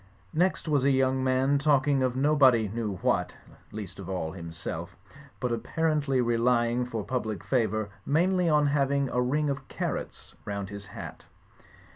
Next was a young man talking of nobody knew what (least of all himself), but apparently relying for pub lic favour mainly on having a ring of carrots round his hat.